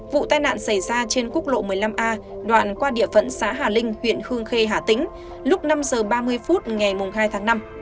vụ tai nạn xảy ra trên quốc lộ một mươi năm a đoạn qua địa phận xã hà linh huyện khương khê hà tĩnh lúc năm h ba mươi phút ngày hai tháng năm